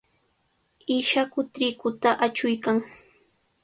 Ishaku triquta achuykan.